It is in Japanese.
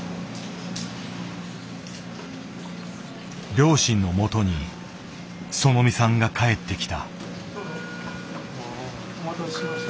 両親のもとにそのみさんが帰ってきた。